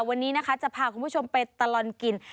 วันนี้นะคะจะพาคุณผู้ชมไปตลอดกิน